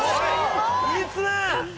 いいっすね！